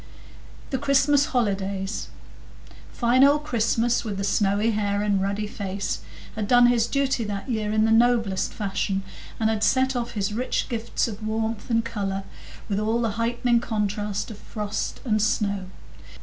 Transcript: The Christmas Holidays Fine old Christmas, with the snowy hair and ruddy face, had done his duty that year in the noblest fashion, and had set off his rich gifts of warmth and colour with all the heightening contrast of frost and snow.